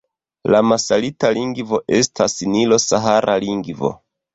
La masalita lingvo estas nilo-sahara lingvo.